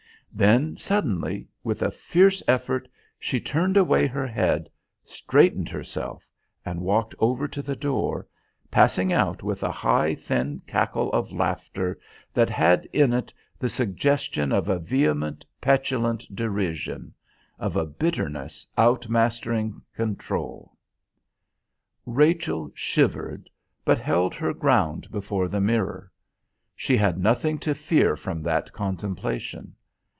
Then, suddenly, with a fierce effort she turned away her head, straightened herself, and walked over to the door, passing out with a high, thin cackle of laughter that had in it the suggestion of a vehement, petulant derision; of a bitterness outmastering control. Rachel shivered, but held her ground before the mirror. She had nothing to fear from that contemplation.